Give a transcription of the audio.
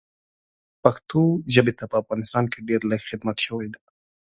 پښتو ژبې ته په افغانستان کې ډېر لږ خدمت شوی ده